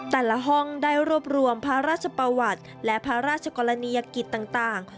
แต่ละห้องได้รวบรวมพระราชประวัติและพระราชกรณียกิจต่าง